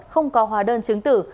không có hòa đơn chứng tử